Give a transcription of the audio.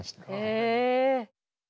へえ。